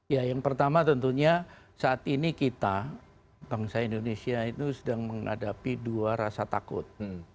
ya yang pertama tentunya saat ini kita bangsa indonesia itu sedang menghadapi dua rasa takut